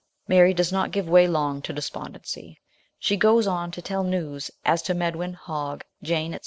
Mary does not give way long to despondency, she goes on to tell news as to Medwin, Hogg, Jane, &c.